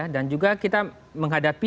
dan juga kita menghadapi